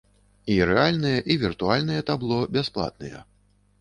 І рэальныя, і віртуальныя табло бясплатныя.